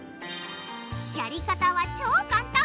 やり方は超簡単！